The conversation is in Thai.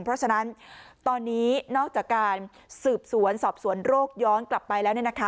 เพราะฉะนั้นตอนนี้นอกจากการสืบสวนสอบสวนโรคย้อนกลับไปแล้ว